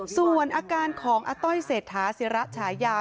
ส่วนอาการของอาต้อยเศรษฐาศิระฉายา